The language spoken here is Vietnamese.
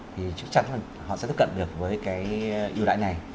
thì chắc chắn là họ sẽ thức cận được với cái ưu đãi này